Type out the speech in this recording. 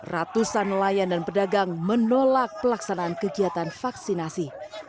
ratusan nelayan dan pedagang menolak pelaksanaan kegiatan vaksinasi